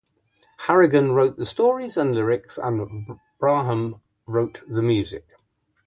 Harrigan wrote the stories and lyrics, and Braham wrote the music.